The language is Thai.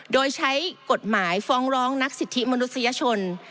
โดยใช้กฎหมายฟ้องร้องนักสิทธิมนุษยชน